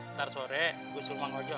ntar sore gue suruh uang ojo